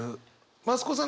増子さん